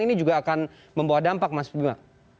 ini juga akan membawa dampak mas bima